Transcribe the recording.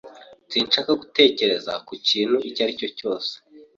Sinshaka gutekereza ku kintu icyo ari cyo cyose.